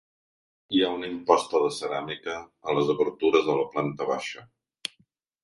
Hi ha una imposta de ceràmica a les obertures de la planta baixa.